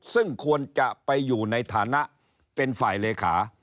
ซึ่งควรจะไปอยู่ในฐานะเป็นฝ่ายเลขา